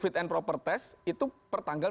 fit and proper test itu pertanggal